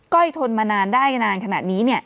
ก้อยทนมานานได้นานขนาดนี้เนี่ย